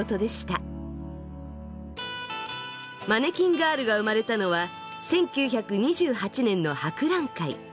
マネキンガールが生まれたのは１９２８年の博覧会。